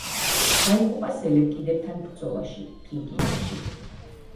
დაიღუპა სელევკიდებთან ბრძოლაში, ფრიგიაში.